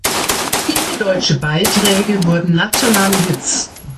Viele deutsche Beiträge wurden nationale Hits.